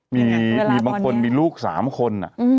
มีบางคนมีลูก๓คน